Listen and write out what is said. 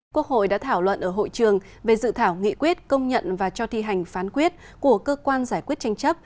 quốc hội đã thảo luận ở hội trường về dự thảo nghị quyết công nhận và cho thi hành phán quyết của cơ quan giải quyết tranh chấp